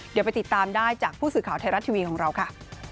เดี๋ยวไปติดตามได้จากผู้สื่อข่าวไทยรัฐทีวีของเราค่ะ